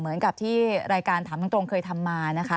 เหมือนกับที่รายการถามข้างตรงเคยทำมา